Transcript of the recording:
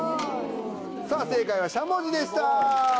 さぁ正解はしゃもじでした！